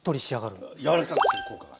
柔らかくする効果が。